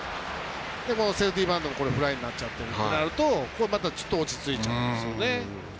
セーフティーバントでファウルになっちゃってるとまたちょっと落ち着いちゃうんですよね。